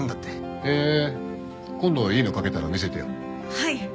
はい！